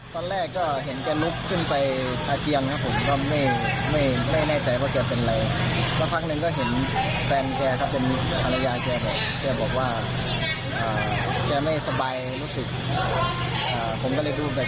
ตอนหน้านั้นเคยบ่นครับตอนหน้านี้เคยบ่นหรือว่าก่อนหน้านี้แกไม่สบายครับผม